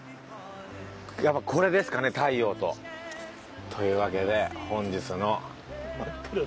やっぱこれですかね太陽と。というわけで本日の。